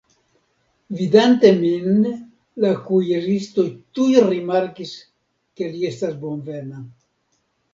Vidante min, la kuiristo tuj rimarkis, ke li estas bonvena.